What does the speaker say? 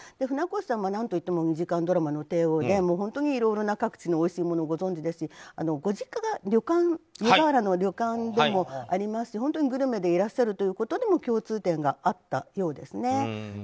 船越さんは何と言っても２時間ドラマの帝王で各地のおいしいものをご存じですし、ご実家が旅館でもありますし本当にグルメでいらっしゃるということにも共通点があったようです。